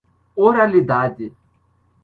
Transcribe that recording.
oralidade